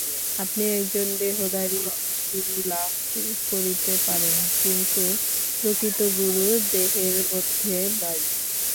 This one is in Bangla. আপনি একজন দেহধারী গুরু লাভ করিতে পারেন, কিন্তু প্রকৃত গুরু দেহের মধ্যে নাই।